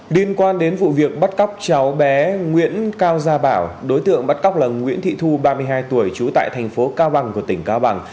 liên quan đến vụ việc bắt cóc cháu bé nguyễn cao gia bảo đối tượng bắt cóc là nguyễn thị thu ba mươi hai tuổi trú tại thành phố cao bằng của tỉnh cao bằng